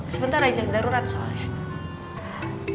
sebentar aja darurat soalnya